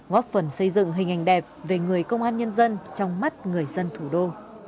góp phần xây dựng hình ảnh đẹp về người công an nhân dân trong mắt người dân thủ đô